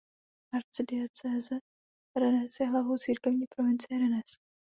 Arcidiecéze Rennes je hlavou církevní provincie Rennes.